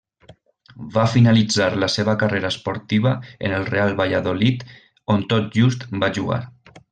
Va finalitzar la seva carrera esportiva en el Real Valladolid on tot just va jugar.